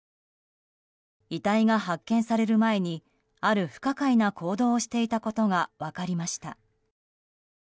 遺体が発見される前にある不可解な行動をしていたことが分かりました。